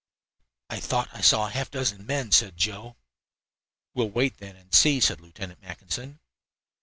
"I thought I saw half a dozen men," said Joe. "We'll wait, then, and see," said Lieutenant Mackinson.